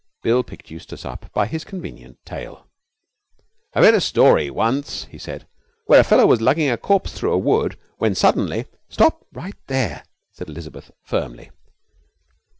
Bill picked Eustace up by his convenient tail. 'I read a story once,' he said, 'where a fellow was lugging a corpse through a wood, when suddenly ' 'Stop right there,' said Elizabeth firmly.